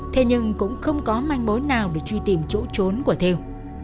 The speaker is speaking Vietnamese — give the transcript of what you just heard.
thế nhưng cũng không có manh mối nào để truy tìm chỗ trốn của thêu